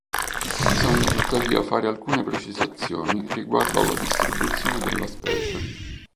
Bisogna tuttavia fare alcune precisazioni riguardo alla distribuzione della specie.